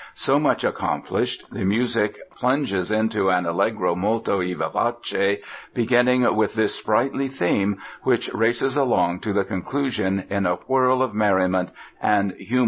So much accomplished, the music plunges into an "Allegro molto e vivace," beginning with this sprightly theme which races along to the conclusion in a whirl of merriment and humorous sallies.